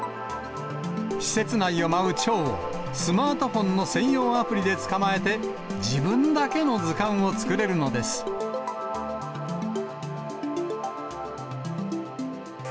施設内を舞うちょうを、スマートフォンの専用アプリで捕まえて、自分だけの図鑑を作れるのです。